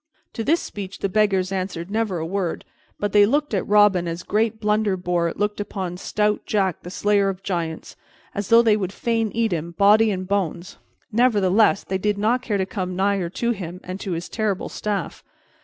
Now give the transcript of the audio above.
To this speech the beggars answered never a word, but they looked at Robin as great Blunderbore looked upon stout Jack the slayer of giants, as though they would fain eat him, body and bones; nevertheless, they did not care to come nigher to him and his terrible staff.